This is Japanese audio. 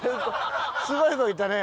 すごい子いたね。